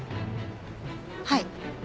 はい。